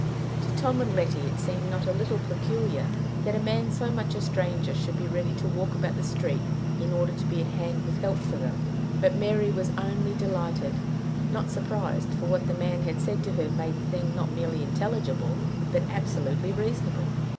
To Tom and Letty it seemed not a little peculiar that a man so much a stranger should be ready to walk about the street in order to be at hand with help for them; but Mary was only delighted, not surprised, for what the man had said to her made the thing not merely intelligible, but absolutely reasonable.